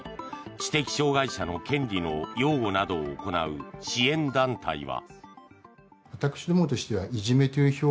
知的障害者の権利の擁護などを行う支援団体は。